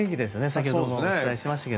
先ほどもお伝えしましたが。